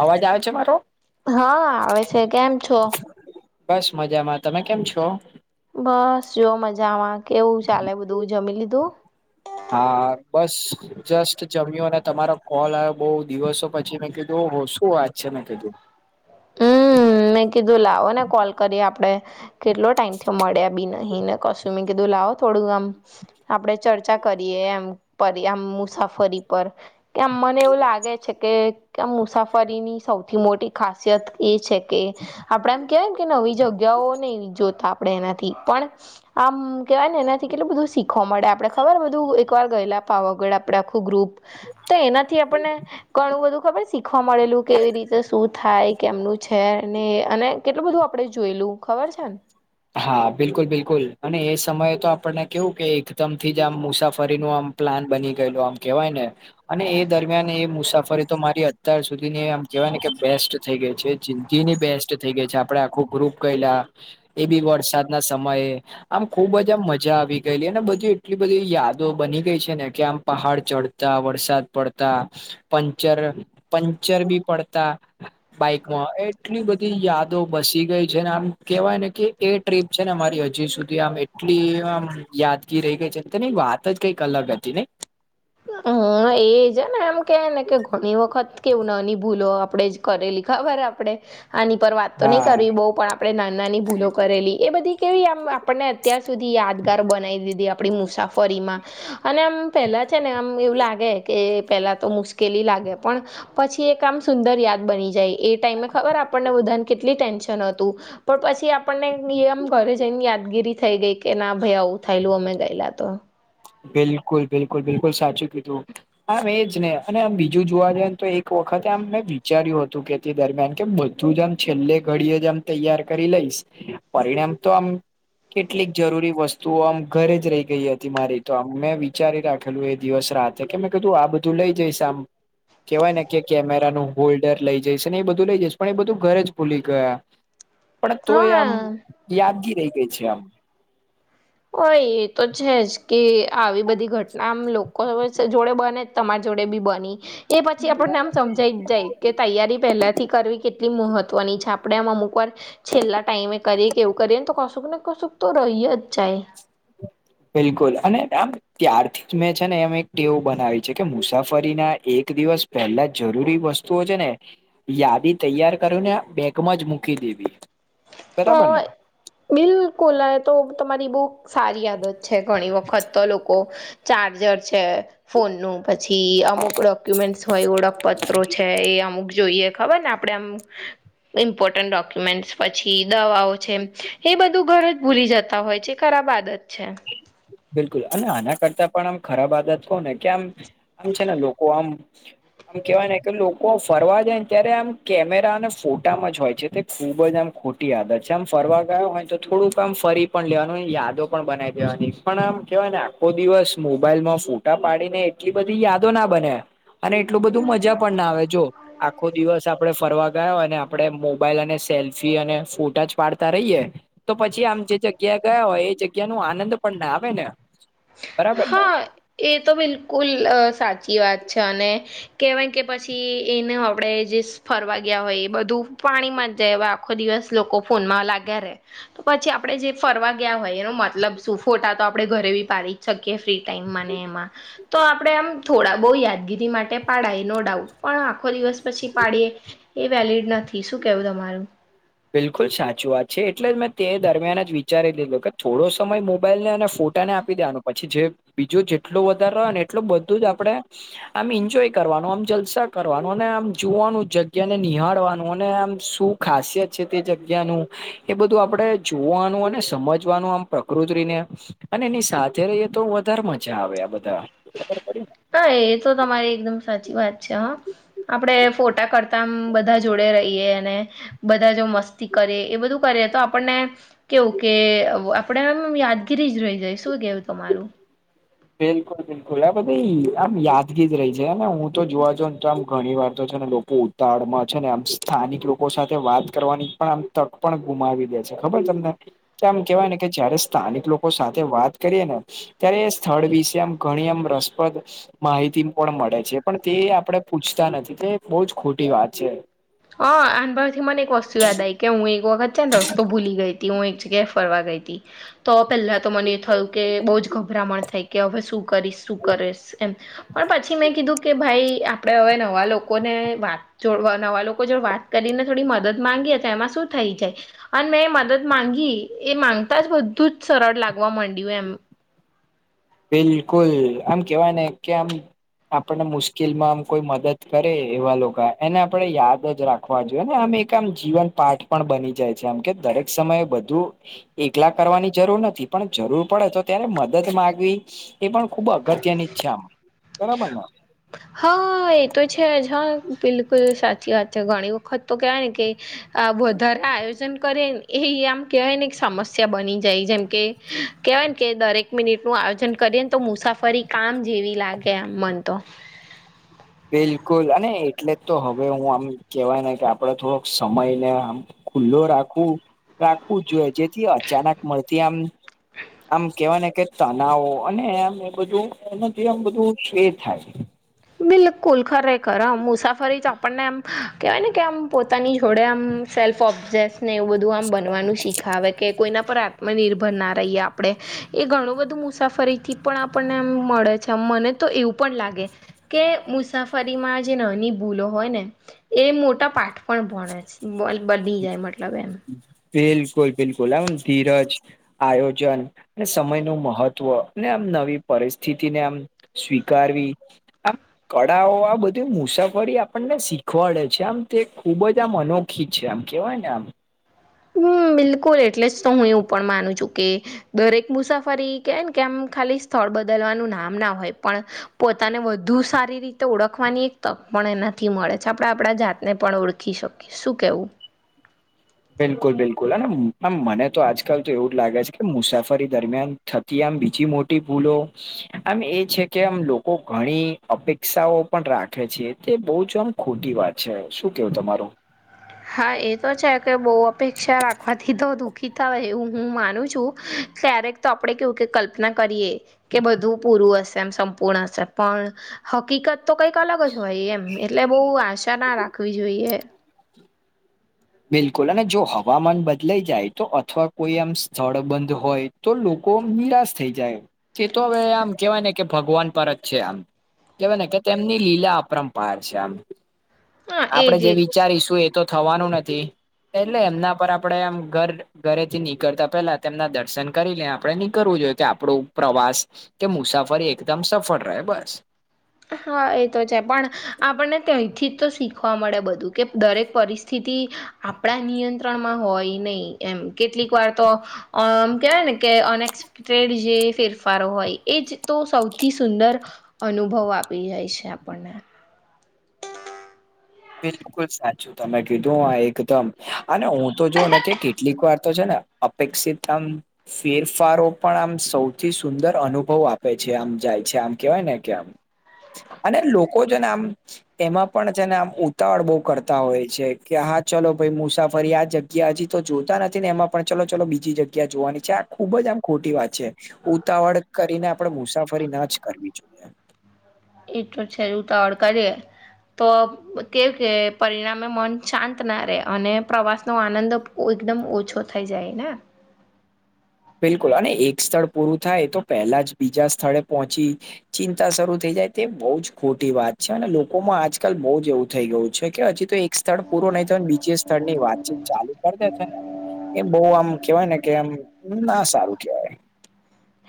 અવાજ આવે છે મારો? હા આવે છે કેમ છો? બસ મજામાં તમે કેમ છો? બસ જો મજામાં કેવું ચાલે બધું? જમી લીધું? હા બસ જસ્ટ જમ્યો અને તમારો કોલ આવ્યો બહુ દિવસો પછી મેં કીધું શું વાત છે મેં કીધું. હમ મેં કીધું લાવો ને કોલ કરીએ આપડે. કેટલો ટાઈમ થી મળ્યા બી નહી ને કશુંમી કીધું લાવો થોડું આમ આપડે ચર્ચા કરીએ એમ. [unintelligible] મુસાફરી પર કેમ મને એવું લાગે છે કે કે મુસાફરીની સૌથી મોટી ખાસિયત એ છે આપણે એમ કેવાય કે નવી જગ્યાઓ નહીં જોતા આપડે એનાથી પણ આમ કેહેવાય ને, એનાથી કેટલું બધું શીખ ખવા મળે આપણે ખબર બધું એકવાર ગયેલા પાવાગઢ આપડે આખું ગ્રુપ તો એનાથી આપણને ઘણું બધું ખબર શીખવા કેવી રીતે શું થાય કેમનું છે છે [unintelligible] ને અને કેટલું બધું આપડે જોયેલું ખબર છે ને. હા બિલકુલ, બિલકુલ, અને એ સમયે તો આપણને કેવું કે એકદમ થી જ આમ મુસાફરીનું આમ પ્લાન બની ગયેલો આમ કેવાય ને અને એ દરમિયાન એ મુસાફરી તો મારી અત્યાર સુધી આમ કેવાય ને કે બેસ્ટ થઈ ગઈ છે. જિંદગીની બેસ્ટ થઈ ગઈ છે. આપડે આખું ગ્રુપ ગયેલા એ બી વરસાદ ના સમયે. આમ ખુબ જ, આ મજા આવી ગયેલી અને બધી એટલી બધી યાદો બની ગઈ છે ને કે આમ પહાડ ચડ તા, વરસાદ પડતા, પંચર પંચર બી પડતા. બાઈકમાં એટલી બધી યાદો બસી ગઈ છે આમ કેવાય ને કે એ ટ્રીપ છે ને મારી હજી સુધી આમ એટલી આ યાદગીર રહી ગઈ છે કેની વાત ત, જ કઈ ક અલગ હતી નહીં. હમ એજ ને એમ કે ને કે ઘણી વખત કેવું નાની ભૂલો આપડે જ કરેલી ખબર આપડે આની પર વાત તો નહી હા કરવી બહ પણ પણે નાનાની ભૂલો કરેલી બધી કેવી આમ આપણને સુધી યાદગાર બનાવી દીધી પણી મુસાફરીમાં અને આમ પહેલાં છે ને આમ એવું લાગે કે પેલાં તો મુશ્કેલી લાગે પણ પછી એ કામ સુંદર યાદ બની જાય એ ટાઈમે ખબર આપણને બધાને કેટલી ટેન્શન હતું. પણ પછી આપણને આમ ઘરે જઈને યાદગીરી થઈ ગઈ કે ના ભાઈ આવું થયેલું અમે ગયેલા તો. બિલકુલ બિલકુલ બિલકુલ સાચું કીધું. હા એજ ને અને આમ બીજું જોવા જઈએ ને તો એક વખતે આમ મેં વિચાર્યું હતું કે દરમિયાન કે બધું જ આમ છેલ્લે ઘડીએ જ આમ તૈયાર કરી લઈશ પરિણામ તો આમ કેટલીક જરૂરી વસ્તુઓ આમ ઘરે જ રહી ગઈ હતી મારી. તો અમે વિચારી રાખેલું એ દિવસ રાતે કે મેં કીધું આ બધું લઈ જઈશ આમ કેવાય ને કે કેમેરા ન હોલ્ડર લઇ જઈ ને એ બધું લઇ જઈ પણ એ બધું ઘરે જ ભૂલી ગયા. [inaudible] પણ તો એ આમ હા યાદગી રહી ગઈ છે આમ. હોય એ તો છે જ કે આવી બધી ઘટનામ લો કોઈ જોડે બને તમારી જોડે બી બની એ પછી આપણને આમ સમજાઈ જ જાય કે તૈયારી પહેલાથી કરવી કેટલી મહત્વની છે આપડે એમાં અમુક વાર છેલ્લા ટાઈમે કરીએ કે એવું કરીએ ને તો કશુંક ને કશુંક તો રહી જ જાય. બિલકુલ અને આમ ત્યારથી જ મેં છે ને એમ એક ટેવું બનાવી છે કે મુસાફરી ના એક દિવસ પેલા જરૂરી વસ્તુઓ છે ને યાદી તૈયાર કર ને બેગમાં જ મૂકી દેવી. બરાબર ને તોય બિલકુલ તો તમારી બહુ સારી આદત છે ઘણી વખત તો લોકો ચાર્જર છે ફોનનું. પછી અમુક ડોક્યુમેન્ટ્સ હોય, ઓળખપત્રો છે, એ અમુક જોઈએ. ખબર ને, આપણે આમ ઇમ્પોર્ટન્ટ ડોક્યુમેન્ટ પછી દવાઓ છે, એ બધું ઘરે જ ભૂલી જતા હોય છે, ખરાબ આદત છે. બિલકુલ, અને આના કરતા પણ આમ ખરાબ આદત કહો ને, કે આમ [inaudible] છે ને લોકો આમ આમ કહેવાય ને કે લોકો ફરવા જાય ને ત્યારે આમ કેમેરા અને ફોટામાં જ હોય છે તે ખૂબ જ આમ ખોટી આદત છે. આમ ફરવા ગયા હોય તો થોડુંક આમ ફરી પણ લેવાનું, યાદો પણ બનાઈ દેવાનું પણ આમ કહેવાય ને, આખો દિવસ મોબાઈલમાં ફોટા પાડીને એટલી બધી યાદો ન બને. અને એટલુ બધૂ મજા પણ ન આવે જો આખો દિવસ આપડે ફરવા ગયા અને આપડે મોબાઈલમાં સેલ્ફી અને ફોટા જ પાડતા રહીએ તો પછી આમ જે જગ્યાએ ગયા હોય, એ જગ્યાનો આનંદ પણ ન આવે ને બરાબર ને હા, એ તો બિલકુલ સાચી વાત છે. અને કહેવાય કે પછી એને આપડે જે ફરવા ગયા હોય એ બધું પાણીમાં જ જાય, આખો દિવસ લોકો ફોનમાં લાગ્યા રે પછી આપડે જે ફરવા ગયા હોય એનો મતલબ શું? ફોટા તો આપડે ઘરે બી પાડી શ કિયે ફ્રી ટાઈમમાં ને એમાં તો આપડે આમ થોડા-બહુ યાદગીરી માટે પાડાય નો ડાઉડ પણ હા ખો દિવસ પછી પાડીએ એ વેલિડ નથી શું કેવું તમારું? બિલકુલ સાચી વાત છે, એટલે જ મેં તે દરમિયાન જ વિચારી લીધું કે થોડો સમય મોબાઈલને અને ફોટાને આપી દેવાનું પછી જે બીજું જેટલું વધારે ને, એટલું બધું જ આપડે આમ એન્જોય કરવાનું, આમ જલસા કરવાનું અને આમ જોવાનું, જગ્યાને નિહાળવાનું, અને આમ શું... ખાસિયત. છે તે જગ્યાનું એ બધું આપણે જોવાનું અને સમજવાનું, આમ પ્રકૃતિને... અને એની સાથે રહીએ તો વધારે મજા આવે, આ બધા. હા, એ તો તમારી એકદમ સાચી વાત છે, હા. આપણે ફોટા કરતાં બધા જોડે રહીએ અને... બધા જો મસ્તી કરે, એ બધું કરીએ તો આપણને... કહેવાય કે, આપણે એમ યાદગીરી જ રહી જાય. શું કહો તમારું? બિલકુલ, બિલકુલ. આ બધી આમ યાદગીરી જ રહી છે ને? હું તો જોવા જાઉં ને તો આમ ઘણી વાર તો છે ને લોકો... તાળમાં છે ને આમ સ્થાનિક લોકો સાથે વાત કરવાની પણ આમ તક પણ ગુમાવી દે છે ખબર તમને, કે આમ કહેવાય ને કે જ્યારે સ્થાનિક લોકો સાથે વાત કરીએ ને ત્યારે... સ્થળ વિશે આમ ઘણી એમ રસપ્રદ... માહિતી પણ મળે છે, પણ તે આપણે પૂછતા નથી, તે બહુ જ ખોટી વાત છે. હા, આન પરથી મને એક વસ્તુ યાદ આવી કે હું એક વખત છે ને રસ્તો ભૂલી ગઈ હતી, હું એક... તે ફરવા ગઈ તો પહેલાં તો મને થયું કે બહુ જ ગભરામણ થઈ. કે હવે શું કરીશ, શું કરીશ? એમ પણ પછી મેં કીધું કે ભાઈ, આપણે હવે નવા લોક લોકોને જોડે વાત, નવા લોકોને વાત કરીને થોડી મદદ માંગી તો એમાં શું થઈ જાય? અને મેં મદદ માંગી, એ માંગતાં જ બધું જ સરળ લાગવા માંડ્યું એમ. બિલકુલ, આમ કહેવાય ને કે આમ... આપણે મુશ્કેલીમાં આમ કોઈ મદદ કરે એવા લોકા આપણે યાદ જ રાખીએ. હોવા જો, ને એક આમ જીવનપાઠ પણ બની જાય છે, એમ કે દરેક સમયે બધું... એકલા કરવાની જરૂર નથી, પણ જરૂર પડે તો ત્યારે મદદ માંગવી. એ પણ ખૂબ અગત્યની ઈચ્છા, બરાબર ને? હા, એ તો છે જ. હા, બિલકુલ સાચી વાત છે. ઘણી વખત તો કહેવાય ને કે... આપણે વધારે આયોજન કરીએ ને, એ આમ કહેવાય ને એક સમસ્યા બની. જાય. જેમ કે કહેવાય ને કે દરેક મિનિટનું આયોજન કરીએ ને, તો મુસાફરી... કામ જેવી લાગે, આમ મન તો... બિલકુલ, અને એટલે તો હવે હું આમ કહેવાય ને કે આપણે થોડોક સમય ને આમ.. ખુલ્લો રાખવું રાખવું જોઈએ. જેથી અચાનક મળતી આમ, આમ, કેવાય ને કે તનાવો અને આમ એ બધું આમ બધું ખે થાય. બિલકુલ ખરેખર આમ, મુસાફરી તો આપણને એમ કહેવાય ને કે આમ પોતાની જોડે આમ, સેલ્ફ ઓબ્ઝેસને એવું બધું આમ બનવાનું શીખાવે. કે કોઈના પર આ નિર્ભર ના રહીએ. આપણે એ ઘણું બધું મુસાફરીથી પણ આપણને એમ મળે છે. મને, તો એવું પણ લાગે, કે મુસાફરીમાં જે નાની ભૂલો હોય ને, એ મોટા પાઠ પણ ભણે છે. બોલ બદલી જાય મતલબ એમ, બિલકુલ બિલકુલ લાવ ન ધીરજ, આયોજન અને સમય નું મહત્વ અને આમ, નવી પરિસ્થિતિને આમ, સ્વીકારવી આ, કળાઓ આ બધી મુસાફરી આપણને શીખવાડે છે. આમ, તે ખુબ જ આમ અનોખી. છે. આમ કેવાય ને આમ, હમ બિલકુલ એટલે જ તો હું એવું પણ માનું છું. કે, દરેક મુસાફરી કહેવાય ને કે આમ ખાલી સ્થળ બદલવાનું નામ ના હોય પણ, પોતાને વધુ સારી રીતે ઓળખવાની એક તક પણ એનાથી મળે છે. આપણે આપણા જાતને પણ ઓળખી શકીએ. શું કેવું? બિલકુલ બિલકુલ અને આમ મને તો આજકાલ તો એવું જ લાગે છે કે મુસાફરી દરમિયાન થતી આમ બીજી મોટી ભૂલો આમ એ છે કે આમ, લોકો ઘણી અપેક્ષાઓ પણ રાખે છે. તે બોજ ખોટી વાત છે. શું કેવું તમારું? હા. એ તો છે કે બહુ અપેક્ષા રાખવાથી તો દુઃખી થાય એવું હું માનું છું. ક્યારેક તો આપણેે કેવું કે કલ્પના કરીએ. કે બધું પૂરું હશે. એમ સંપૂર્ણ હશે. પણ હકીકત તો કંઈક અલગ જ હોય એમ એટલે બહુ આશા ના રાખવી જોઈએ. બિલકુલ અને જો હવામાન બદલાઈ જાય તો અથવા કોઈ એમ સ્થળ બંધ હોય. તો લોકો નિરાશ થઈ જાય. તે તો અવે આમ કહેવાયને કે ભગવાન પર જ છે. આ કેવાય ને કે તેમની લીલા અપરંપાર છે. આમ હા આપણે એજ જે એજ વિચારીશું. એ તો થવાનું નથી એટલે એમના પર આપણે આમ ઘર ઘરેથી નીકળતા પહેલા તેમના દર્શન કરીને આપણે નીકળવું જોઈએ કે આપણો પ્રવાસ કે મુસાફરી એકદમ સફળ રહે. બસ. હા. એ તો છે. પણ આપણને ત્યાંથી જ તો શીખવા મળે બધું કે દરેક પરિસ્થિતિ આપણા નિયંત્રણમાં હોય નહી. એમ કેટલીક વાર તો આમ કહેવાય ને કે અનેક [unintelligible] જે ફેરફારો હોય એ જ તો સૌથી સુંદર અનુભવ આપે પી જાય છે. આપણ ને બિલકુલ સાચું તમે કીધું એકદમ અને હું તો જોઉ ને કે કેટલીક વાર તો છે ને અપેક્ષિત આમ ફેરફારો પણ આમ સૌથી સુંદર અનુભવ આપે છે. આમ જાય છે આમ કેવાય ને કે આમ [inaudible] અને લોકો છે ને આમ, એમાં પણ છે ને આમ ઉતાવળ બહુ કરતા હોય છે. કે હા ચાલો ભાઈ મુસાફરી આ જગ્યા હજી તો જોતા નથી ને એમાં પણ ચાલો ચાલો બીજી જગ્યા જોવાની છે. આ ખુબ જ આમ ખોટી વાત છે. ઉતાવળ કરીને આપણેે મુસાફરી ના જ કરવી જોઈએ. એ તો છે. ઉતાવળ કરીએ તો એ કે પરિણામે મન શાંત ના રહે અને પ્રવાસ નો આનંદ એકદમ ઓછો થઈ જાય ને બિલકુલ અને એક સ્થળ પૂરું થાય તો પહેલા જ બીજા સ્થળે પહોંચી ચિંતા શરૂ થઈ જાય તે બહુ જ ખોટી વાત છે અને લોકોમાં આજકાલ બહુ જ એવું થઈ ગયું છે કે હજી તો સ્થળ પૂરું નહી થાય ને બીજા સ્થળની વાતચીત ચાલુ કર દે છે ને એ બહુ આમ કેવાય ને કે આમ ના સારું કહેવાય.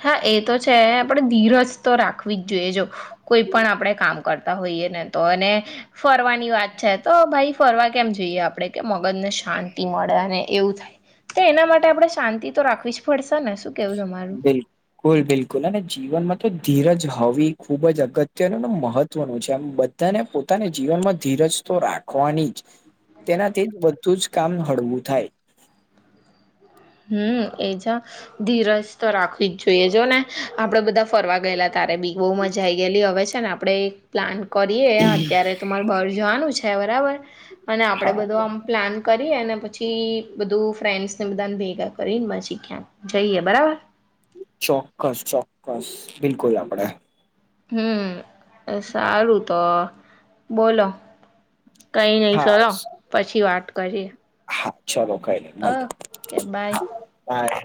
હા એ તો છે આપણે ધીરજ તો રાખવી જ જોઈજો. કોઈ પણ આપણેે કામ કરતા હોઈએ ને તો એને ફરવાની વાત છે તો ભાઈ ફરવા કેમ જોઈએ આપણે કે મગજ ને શાંતિ મળે અને એવું થાય. તો એના માટે આપણે શાંતિ તો રાખવી જ પડશે ને શું? કેવું તમારું બિલકુલ. બિલકુલ બિલકુલ અને જીવનમાં તો ધીરજ હોવી ખુબ જ અગત્યનું‌ મહત્વનું છે. એમ બધાને પોતાની જીવનમાં ધીરજ તો રાખવી જ જોઈએ. તેનાથી જ બધું જ કામ હળવું થાય. હમ એજ ધીરજ તો રાખવી જ જોઈએ જો ને આપણે બધા ફરવા ગયેલા ત્યારે પણ બહુ મજા આવી ગયેલી હવે છે ને આપણે એક પ્લાન કરીએ અત્યારે તો માર બાર જવાનું છે બરાબર અને આપડે હા બધો આમ પ્લાન કરીએ અને પછી બધું ફ્રેન્ડ્સને બધાન ભેગા કરીન પછી ક્યાંક જઈએ બરાબર. ચોક્કસ ચોક્કસ બિલકુલ આપડે. હમ સારું તો બોલો. કઈ નઈ હા છોડો પછી વાત કરીએ. હા ચલો કઈ નય મળીએ ઓકે બાય હા બાય.